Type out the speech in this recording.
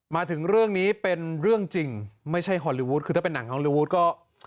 มาถึงเรื่องนี้เป็นเรื่องจริงไม่ใช่ฮอลลีวูดคือถ้าเป็นหนังฮอลลีวูดก็